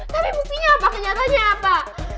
tapi mestinya apa kenyataannya apa